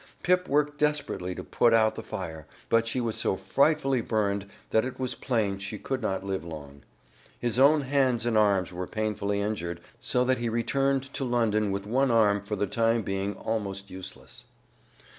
Pip worked desperately to put out the fire, but she was so frightfully burned that it was plain she could not live long. His own hands and arms were painfully injured, so that he returned to London with one arm, for the time being, almost useless.